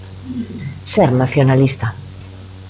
Ser nacionalista.